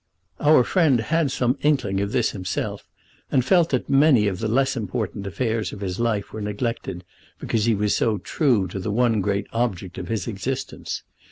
Our friend had some inkling of this himself, and felt that many of the less important affairs of his life were neglected because he was so true to the one great object of his existence.